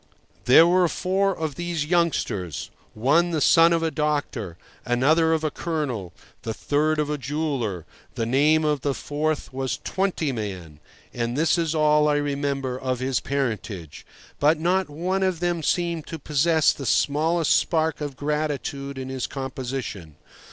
There were four of these youngsters: one the son of a doctor, another of a colonel, the third of a jeweller; the name of the fourth was Twentyman, and this is all I remember of his parentage. But not one of them seemed to possess the smallest spark of gratitude in his composition.